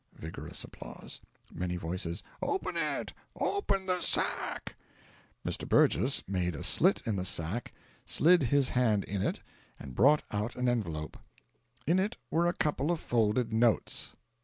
(Vigorous applause.) Many Voices. "Open it! open the sack!" Mr. Burgess made a slit in the sack, slid his hand in, and brought out an envelope. In it were a couple of folded notes.